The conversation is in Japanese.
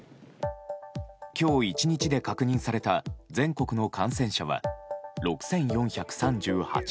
今日１日で確認された全国の感染者は６４３８人。